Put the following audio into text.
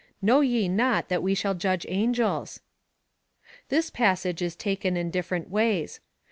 Kilow ye not that we shall judge angels ? This passage is taken in different ways.